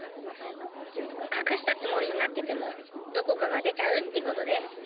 かくしたつもりになっててもどこかがでちゃうってことデス。